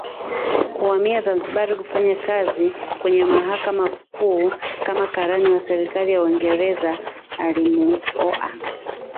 kuhamia Zanzibar kufanya kazi kwenye mahakama kuu kama karani wa serikali ya Uingerezea Alimuoa